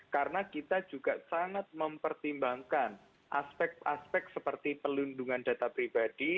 karena kita juga sangat mempertimbangkan aspek aspek seperti pelindungan data pribadi